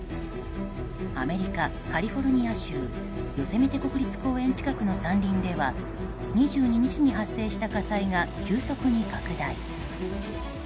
アメリカ・カリフォルニア州ヨセミテ国立公園近くの山林では２２日発生した火災が急速に拡大。